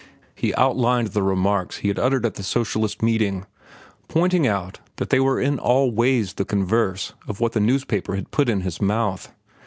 He outlined the remarks he had uttered at the socialist meeting, pointing out that they were in all ways the converse of what the newspaper had put in his mouth.